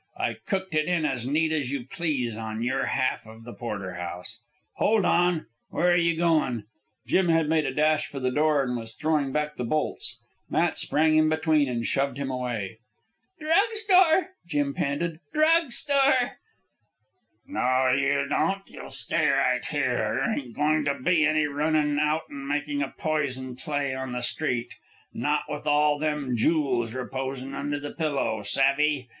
I cooked it in as neat as you please in your half the porterhouse. Hold on! Where're you goin'?" Jim had made a dash for the door, and was throwing back the bolts. Matt sprang in between and shoved him away. "Drug store," Jim panted. "Drug store." "No you don't. You'll stay right here. There ain't goin' to be any runnin' out an' makin' a poison play on the street not with all them jools reposin' under the pillow. Savve?